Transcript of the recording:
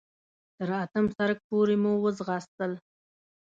تر اتم سړک پورې مو وځغاستل.